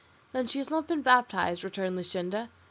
"Then she has not been baptised?" returned Luscinda.